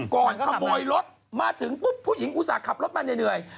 ก่อนขโมยรถมาถึงปุ๊บผู้หญิงอุตส่าห์ขับรถมาเหนื่อย